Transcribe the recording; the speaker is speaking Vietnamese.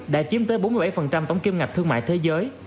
đã chiếm tới bốn mươi bảy tổng kiêm ngập thương mại thế giới